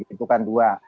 itu kan dua